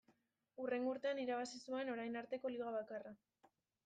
Hurrengo urtean irabazi zuen orain arteko Liga bakarra.